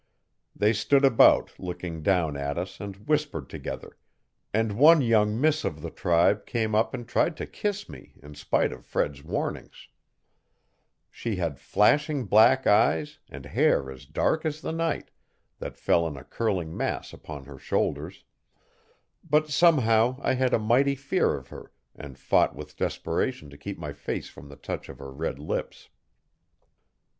They stood about, looking down at us and whispered together, and one young miss of the tribe came up and tried to kiss me in spite of Fred's warnings: She had flashing black eyes and hair as dark as the night, that fell in a curling mass upon her shoulders; but, somehow, I had a mighty fear of her and fought with desperation to keep my face from the touch of her red lips.